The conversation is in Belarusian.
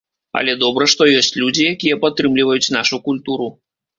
Але добра, што ёсць людзі, якія падтрымліваюць нашу культуру.